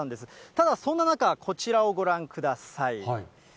ただそんな中、こちらをご覧ください。